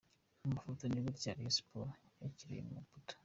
Mu mafoto, ni gutya Rayon Sports yakiriwe i Maputo.